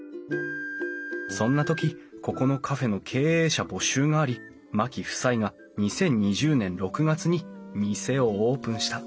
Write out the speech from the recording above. そんな時ここのカフェの経営者募集があり牧夫妻が２０２０年６月に店をオープンした。